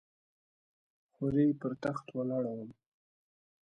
هورې پر تخت ولاړه وم .